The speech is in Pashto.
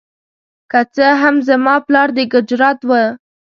که څه هم زما پلار د ګجرات و.